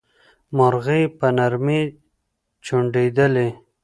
مرغۍ په نرمۍ چوڼيدلې.